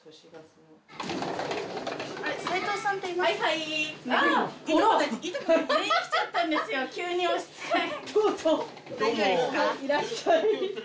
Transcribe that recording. いらっしゃい。